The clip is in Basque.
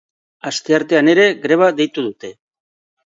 Asteartean ere greba deitu dute.